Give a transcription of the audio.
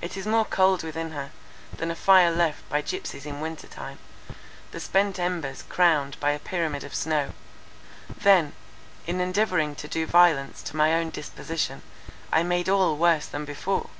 It is more cold within her, than a fire left by gypsies in winter time, the spent embers crowned by a pyramid of snow. Then, in endeavouring to do violence to my own disposition, I made all worse than before.